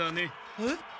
えっ？